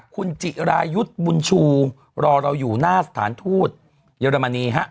คุณจิรายุทธ์บุญชูรอเราอยู่หน้าสถานทูตเยอรมนีฮะ